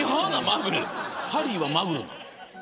ハリーはマグルなの。